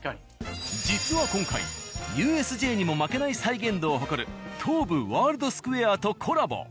実は今回ＵＳＪにも負けない再現度を誇る東武ワールドスクウェアとコラボ。